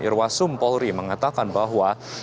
irwasum polri mengatakan bahwa